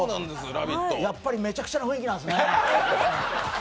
やっぱりめちゃくちゃな雰囲気なんですね。